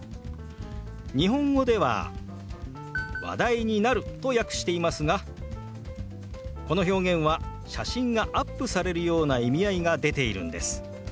日本語では「話題になる」と訳していますがこの表現は写真がアップされるような意味合いが出ているんです。